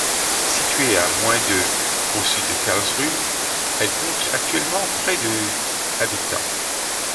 Située à moins de au sud de Karlsruhe, elle compte actuellement près de habitants.